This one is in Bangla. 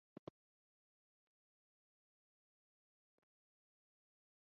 প্রথম শতরানের ইনিংস খেলেন।